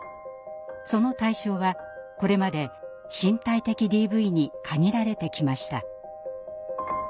その対象はこれまで身体的ＤＶに限られてきました。